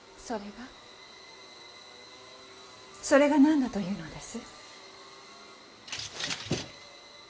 それが何だというのです！